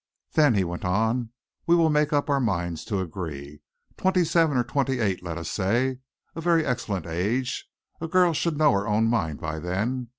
"Then," he went on, "we will make up our minds to agree. Twenty seven or twenty eight, let us say. A very excellent age! A girl should know her own mind by then.